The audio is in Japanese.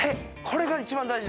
これが一番大事です。